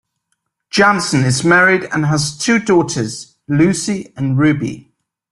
Jansen is married and has two daughters, Lucy and Ruby.